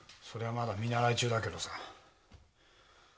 まだ見習い中だけどさ。